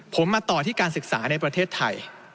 ผมมาต่อที่การศึกษาในประเทศไทย